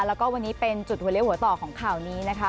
แล้วก็วันนี้เป็นจุดหัวเลี้ยหัวต่อของข่าวนี้นะคะ